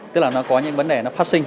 tức là nó có những vấn đề nó phát sinh